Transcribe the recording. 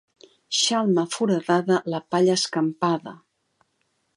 Xalma foradada, la palla escampada.